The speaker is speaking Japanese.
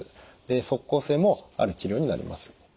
で即効性もある治療になります。